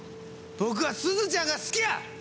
僕はすずちゃんが好きや！